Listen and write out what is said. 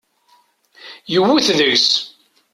Yewwet deg-s.